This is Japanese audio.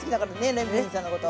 レミさんのこと。